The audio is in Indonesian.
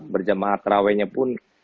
berjemaah terawihnya pun